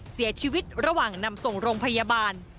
เสียชีวิตระหว่างนำส่งโรงพยาบาล